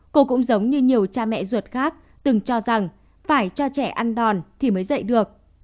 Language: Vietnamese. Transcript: cô cũng giống như nhiều cha mẹ ruột khác từng cho rằng phải cho trẻ ăn đòn thì mới dạy được